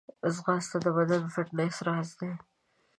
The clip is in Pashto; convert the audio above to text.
ځغاسته د بدني فټنس راز دی